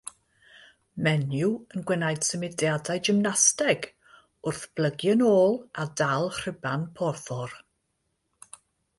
Menyw yn gwneud symudiad gymnasteg wrth blygu'n ôl a dal rhuban porffor.